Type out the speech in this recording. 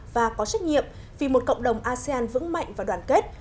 và có trách nhiệm vì một cộng đồng asean vững mạnh và đoàn kết